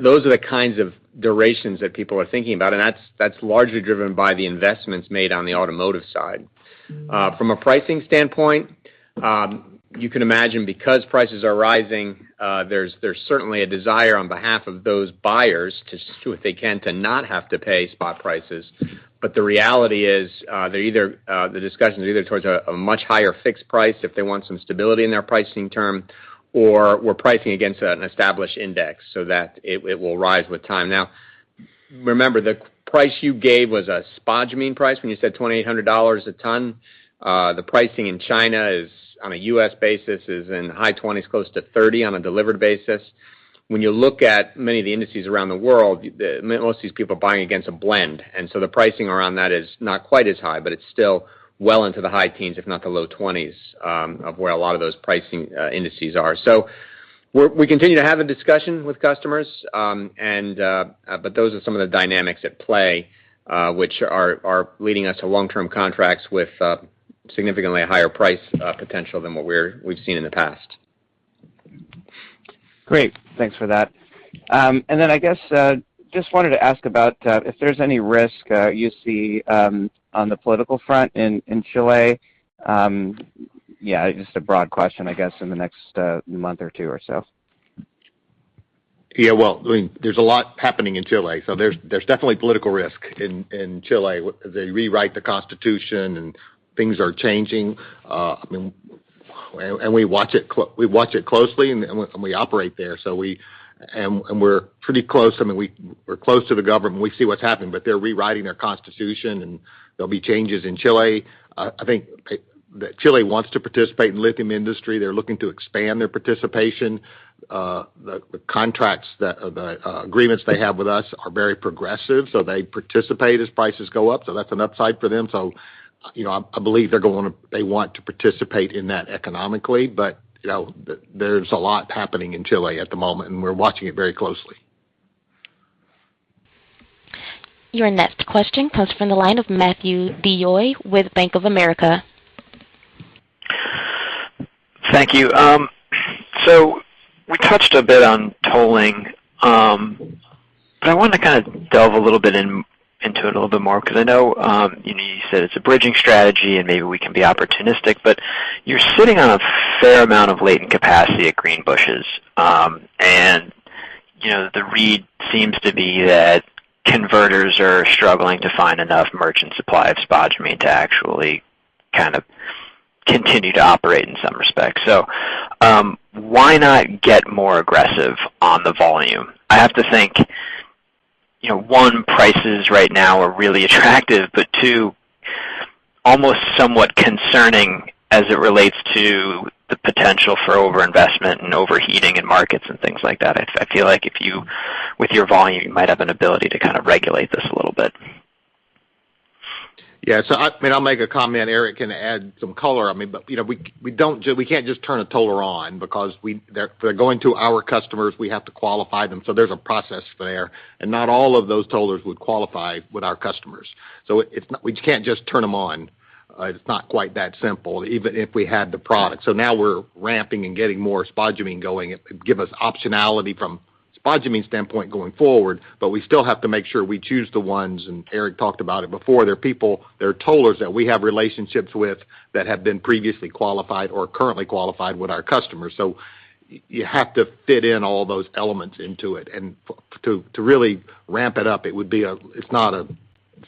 Those are the kinds of durations that people are thinking about, and that's largely driven by the investments made on the automotive side. From a pricing standpoint, you can imagine because prices are rising, there's certainly a desire on behalf of those buyers to do what they can to not have to pay spot prices. The reality is, they're either the discussion is either towards a much higher fixed price if they want some stability in their pricing term, or we're pricing against an established index so that it will rise with time. Now, remember, the price you gave was a spodumene price when you said $2,800 a ton. The pricing in China is on a U.S. basis, is in high $20s, close to $30 on a delivered basis. When you look at many of the indices around the world, most of these people are buying against a blend, and so the pricing around that is not quite as high, but it's still well into the high teens, if not the low twenties, of where a lot of those pricing indices are. We continue to have a discussion with customers, and but those are some of the dynamics at play, which are leading us to long-term contracts with significantly higher price potential than what we've seen in the past. Great. Thanks for that. I guess just wanted to ask about if there's any risk you see on the political front in Chile. Yeah, just a broad question, I guess, in the next month or two or so. Yeah. Well, I mean, there's a lot happening in Chile, so there's definitely political risk in Chile. They rewrite the Constitution and things are changing. I mean, we watch it closely and we operate there. So we and we're pretty close. I mean, we're close to the government. We see what's happening, but they're rewriting their constitution, and there'll be changes in Chile. I think that Chile wants to participate in lithium industry. They're looking to expand their participation. The contracts that the agreements they have with us are very progressive, so they participate as prices go up. So that's an upside for them. So, you know, I believe they're going to. They want to participate in that economically. You know, there's a lot happening in Chile at the moment, and we're watching it very closely. Your next question comes from the line of Matthew DeYoe with Bank of America. Thank you. We touched a bit on tolling, but I wanted to kind of delve a little bit into it a little bit more because I know you said it's a bridging strategy and maybe we can be opportunistic, but you're sitting on a fair amount of latent capacity at Greenbushes. You know, the read seems to be that converters are struggling to find enough merchant supply of spodumene to actually kind of continue to operate in some respects. Why not get more aggressive on the volume? I have to think, you know, one, prices right now are really attractive, but two, almost somewhat concerning as it relates to the potential for over-investment and overheating in markets and things like that. I feel like if you, with your volume, you might have an ability to kind of regulate this a little bit. I mean, I'll make a comment. Eric can add some color on me. You know, we can't just turn a toller on because they're going to our customers. We have to qualify them. There's a process there. Not all of those tollers would qualify with our customers. We can't just turn them on. It's not quite that simple, even if we had the product. Now we're ramping and getting more spodumene going. It could give us optionality from spodumene standpoint going forward, but we still have to make sure we choose the ones, and Eric talked about it before. There are tollers that we have relationships with that have been previously qualified or currently qualified with our customers. You have to fit in all those elements into it. To really ramp it up, it's not a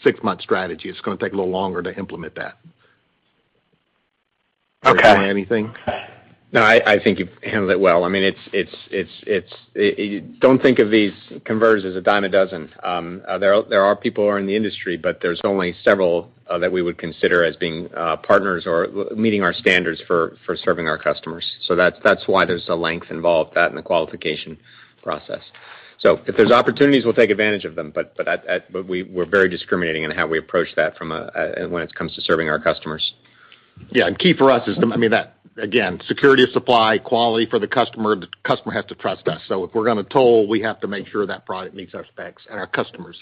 six-month strategy. It's gonna take a little longer to implement that. Okay. Eric, do you want to add anything? No, I think you've handled it well. I mean, it's I don't think of these converters as a dime a dozen. There are people who are in the industry, but there's only several that we would consider as being partners or meeting our standards for serving our customers. So that's why there's a length involved, that and the qualification process. So if there's opportunities, we'll take advantage of them, but we are very discriminating in how we approach that from a. When it comes to serving our customers. Yeah, key for us is the, I mean that, again, security of supply, quality for the customer, the customer has to trust us. If we're gonna toll, we have to make sure that product meets our specs and our customers'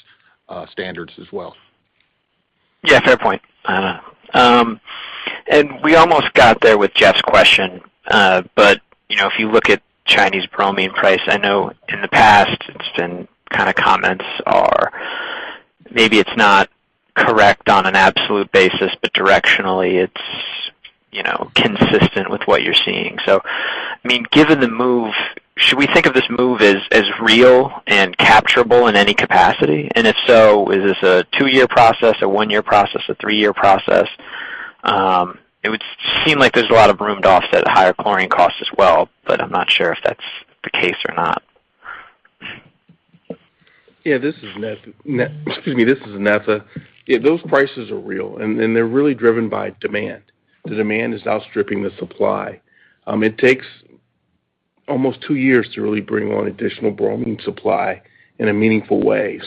standards as well. Yeah, fair point. We almost got there with Jeff's question. You know, if you look at Chinese bromine price, I know in the past, it's been kinda comments are maybe it's not correct on an absolute basis, but directionally it's, you know, consistent with what you're seeing. I mean, given the move, should we think of this move as as real and capturable in any capacity? If so, is this a two-year process, a one-year process, a three-year process? It would seem like there's a lot of room to offset higher chlorine costs as well, but I'm not sure if that's the case or not. Yeah, this is Netha. Yeah, those prices are real, and they're really driven by demand. The demand is outstripping the supply. It takes almost two years to really bring on additional bromine supply in a meaningful way.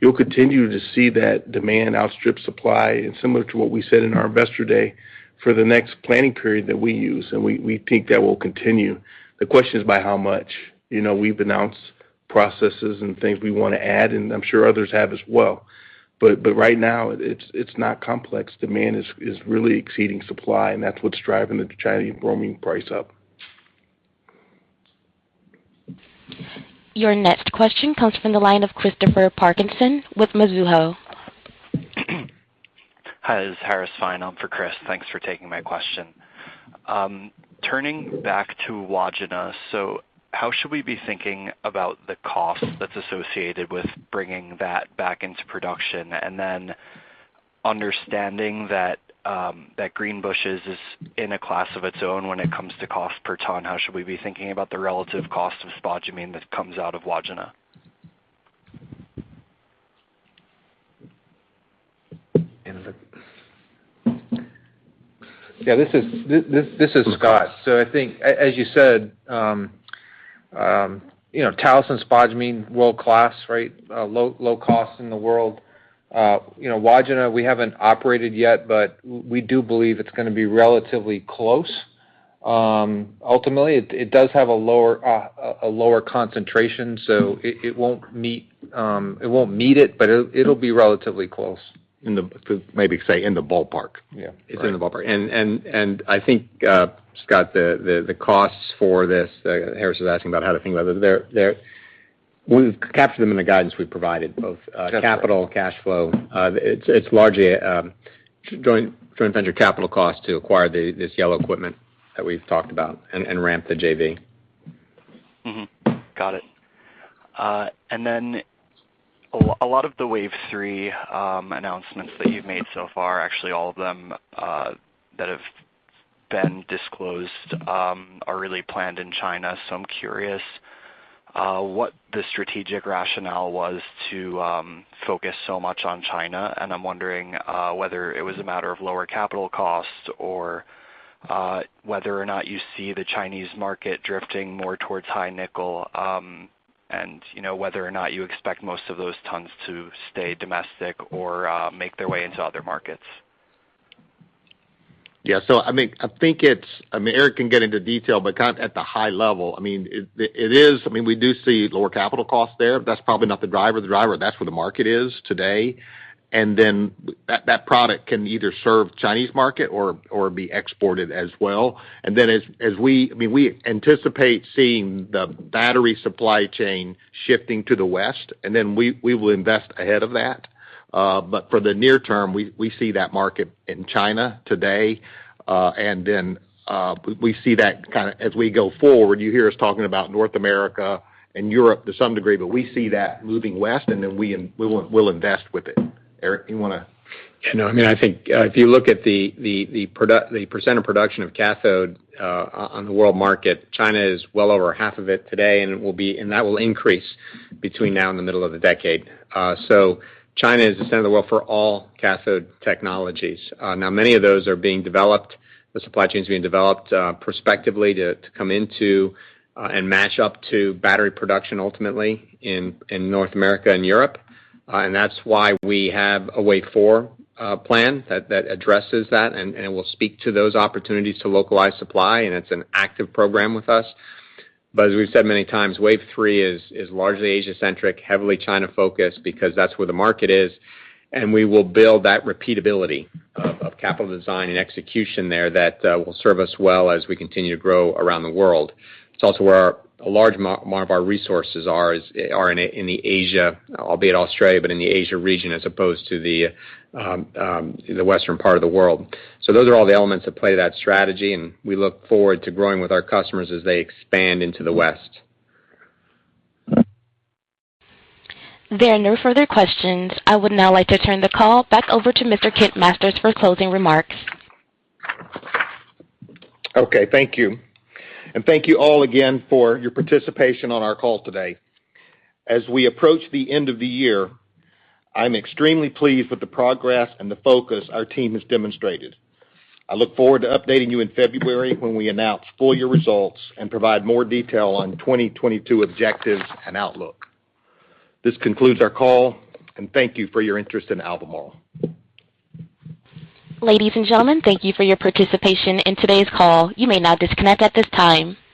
You'll continue to see that demand outstrip supply, and similar to what we said in our investor day, for the next planning period that we use, and we think that will continue. The question is by how much? You know, we've announced processes and things we wanna add, and I'm sure others have as well. Right now, it's not complex. Demand is really exceeding supply, and that's what's driving the Chinese bromine price up. Your next question comes from the line of Christopher Parkinson with Mizuho. Hi, this is Harris Fein on for Chris. Thanks for taking my question. Turning back to Wodgina. So how should we be thinking about the cost that's associated with bringing that back into production? And then understanding that Greenbushes is in a class of its own when it comes to cost per ton, how should we be thinking about the relative cost of spodumene that comes out of Wodgina? This is Scott. I think as you said, you know, Talison spodumene world-class, right? Low cost in the world. You know, Wodgina, we haven't operated yet, but we do believe it's gonna be relatively close. Ultimately, it does have a lower concentration, so it won't meet it, but it'll be relatively close. To maybe say in the ballpark. Yeah. It's in the ballpark. I think, Scott, the costs for this, Harris was asking about how to think about it. We've captured them in the guidance we've provided, both capital, cash flow. It's largely joint venture capital costs to acquire this yellow equipment that we've talked about and ramp the JV. Got it. A lot of the Wave 3 announcements that you've made so far, actually all of them, that have been disclosed, are really planned in China. I'm curious what the strategic rationale was to focus so much on China, and I'm wondering whether it was a matter of lower capital costs or whether or not you see the Chinese market drifting more towards high nickel, and you know, whether or not you expect most of those tons to stay domestic or make their way into other markets. I mean, I think it's. I mean, Eric can get into detail, but kind of at the high level, I mean, it is. I mean, we do see lower capital costs there. That's probably not the driver. The driver, that's where the market is today. That product can either serve Chinese market or be exported as well. As we anticipate seeing the battery supply chain shifting to the West, we will invest ahead of that. For the near term, we see that market in China today, then we see that kinda as we go forward. You hear us talking about North America and Europe to some degree, but we see that moving west, then we will invest with it. Eric, you wanna? No, I mean, I think if you look at the percent of production of cathode on the world market, China is well over half of it today, and that will increase between now and the middle of the decade. China is the center of the world for all cathode technologies. Now many of those are being developed. The supply chain's being developed prospectively to come into and match up to battery production ultimately in North America and Europe. That's why we have a Wave 4 plan that addresses that and it will speak to those opportunities to localize supply, and it's an active program with us. As we've said many times, Wave 3 is largely Asia-centric, heavily China-focused because that's where the market is, and we will build that repeatability of capital design and execution there that will serve us well as we continue to grow around the world. It's also where a large majority of our resources are in Asia, albeit Australia, but in the Asia region as opposed to the Western part of the world. Those are all the elements that play to that strategy, and we look forward to growing with our customers as they expand into the West. There are no further questions. I would now like to turn the call back over to Mr. Kent Masters for closing remarks. Okay, thank you. Thank you all again for your participation on our call today. As we approach the end of the year, I'm extremely pleased with the progress and the focus our team has demonstrated. I look forward to updating you in February when we announce full-year results and provide more detail on the 2022 objectives and outlook. This concludes our call, and thank you for your interest in Albemarle. Ladies and gentlemen, thank you for your participation in today's call. You may now disconnect at this time.